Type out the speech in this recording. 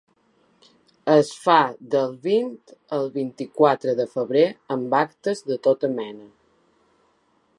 Es fa del vuit al vint-i-quatre de febrer amb actes de tota mena.